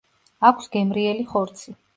აქვს გემრიელი ხორცი.